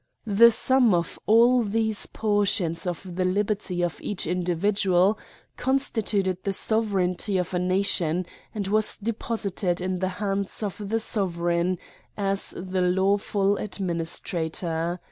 The sum of all these portions of the liberty of each individual constituted the sovereignty of a nation and was deposited in the hands of the sovereign, as the lawful administrator.